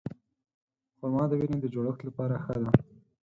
خرما د وینې د جوړښت لپاره ښه ده.